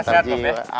sehat kok ya